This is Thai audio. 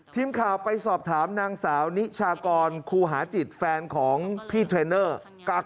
ทีมข่าวไปสอบถามนางสาวนิชากรครูหาจิตแฟนของพี่เทรนเนอร์